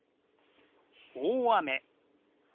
「大雨」。